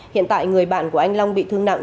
hiện tại người bạn của anh long bị thương nặng